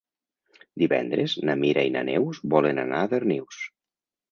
Divendres na Mira i na Neus volen anar a Darnius.